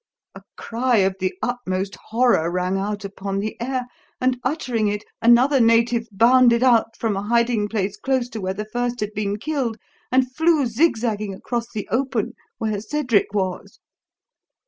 A cry of the utmost horror rang out upon the air, and, uttering it, another native bounded out from a hiding place close to where the first had been killed, and flew zigzagging across the open, where Cedric was.